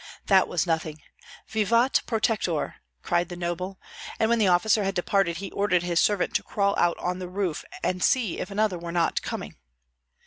That was nothing! "Vivat protector!" cried the noble; and when the officer had departed he ordered his servant to crawl out on the roof and see if another were not coming.